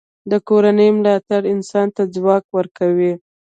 د کورنۍ ملاتړ انسان ته ځواک ورکوي.